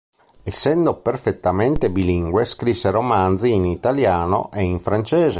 Essendo perfettamente bilingue scrisse romanzi in italiano e in francese.